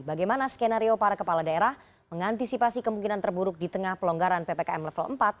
bagaimana skenario para kepala daerah mengantisipasi kemungkinan terburuk di tengah pelonggaran ppkm level empat